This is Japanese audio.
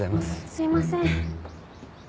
すいません。